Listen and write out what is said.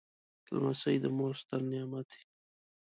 لمسی د مور ستر نعمت دی.